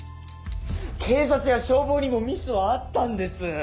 警察や消防にもミスはあったんです！